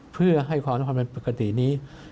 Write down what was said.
เพื่อให้ความสัมพันธ์ปกตินี้